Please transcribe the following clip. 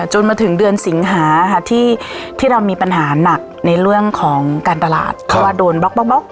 จนมาถึงเดือนสิงหาค่ะที่เรามีปัญหาหนักในเรื่องของการตลาดเพราะว่าโดนบล็อก